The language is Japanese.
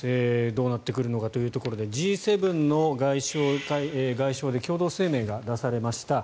どうなってくるのかということでＧ７の外相で共同声明が出されました。